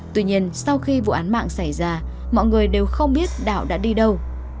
tuy nhiên sau khi vụ án mạng xảy ra mọi người đều không biết đảo đã đi đâu